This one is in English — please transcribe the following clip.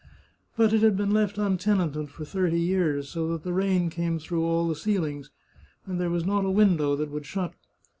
But it had been left untenanted for thirty years, so that the rain came through all the ceilings, and there was not a window that would shut.